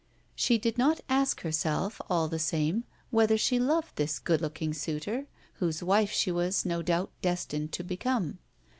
She did not ask herself, all the same, whether she loved this good looking suitor, whose wife she was, no doubt, destined to become.